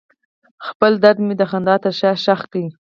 خپل درد مې د خندا تر شا ښخ کړ.